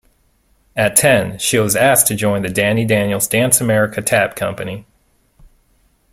At ten, she was asked to join the Danny Daniels Dance America Tap company.